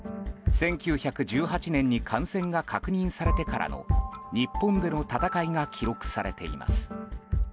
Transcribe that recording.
１９１８年に感染が確認されてからの日本での闘いが記録されています。